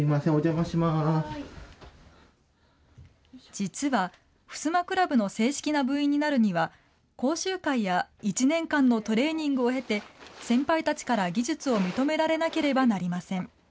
実は襖クラブの正式な部員になるには、講習会や１年間のトレーニングを経て、先輩たちから技術を認められなければなりません。